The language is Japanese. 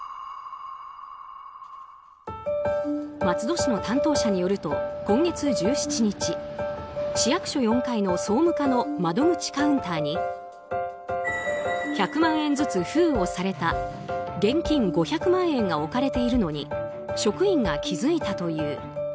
松戸市の担当者によると今月１７日市役所４階の総務課の窓口カウンターに１００万円ずつ封をされた現金５００万円が置かれているのに職員が気付いたという。